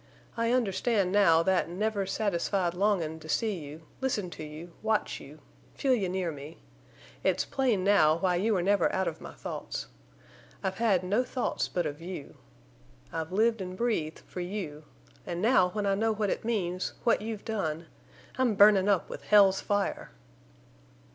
I understand now that never satisfied longin' to see you, listen to you, watch you, feel you near me. It's plain now why you were never out of my thoughts. I've had no thoughts but of you. I've lived an' breathed for you. An' now when I know what it means—what you've done—I'm burnin' up with hell's fire!"